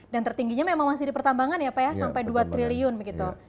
dan tertingginya memang masih di pertambangan ya pak ya sampai dua triliun begitu